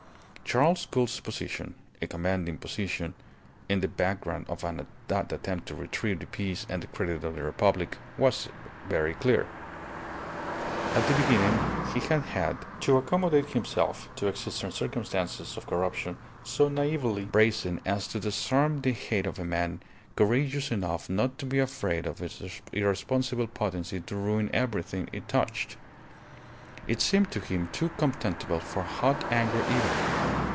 Charles Gould's position a commanding position in the background of that attempt to retrieve the peace and the credit of the Republic was very clear. At the beginning he had had to accommodate himself to existing circumstances of corruption so naively brazen as to disarm the hate of a man courageous enough not to be afraid of its irresponsible potency to ruin everything it touched. It seemed to him too contemptible for hot anger even.